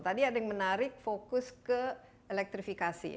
tadi ada yang menarik fokus ke elektrifikasi